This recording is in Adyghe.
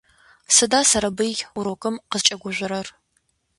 Сыда Сэрэбый урокым къызкӏэгужъорэр?